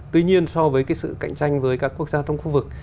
tuy nhiên so với cái sự cạnh tranh với các quốc gia trong khu vực